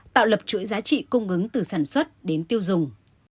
tạo lập chuỗi giá trị cung ứng từ sản xuất đến tiêu dùng